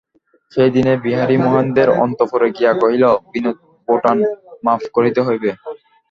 সেইদিনই বিহারী মহেন্দ্রের অন্তঃপুরে গিয়া কহিল, বিনোদ-বোঠান, মাপ করিতে হইবে।